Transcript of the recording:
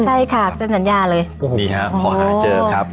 ใช่ค่ะเซ็นสัญญาเลยพรุ่งนี้ครับพอหาเจอครับ